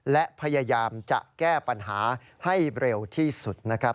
และพยายามจะแก้ปัญหาให้เร็วที่สุดนะครับ